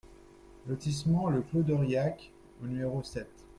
Lotissement Le Clos d'Auriac au numéro sept